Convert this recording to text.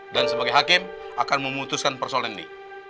dan sebagai hakim akan memutuskan persoalan ini